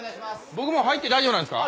僕も入って大丈夫なんですか？